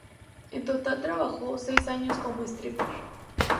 En total trabajó seis años como stripper.